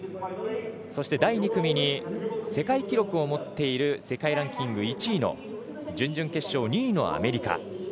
そして、第２組に世界記録を持っている世界ランキング１位の準々決勝２位のアメリカ。